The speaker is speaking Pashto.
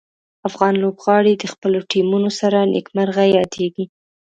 افغان لوبغاړي د خپلو ټیمونو سره نیک مرغه یادیږي.